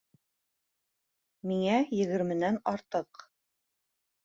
Миңә егерменән артыҡ.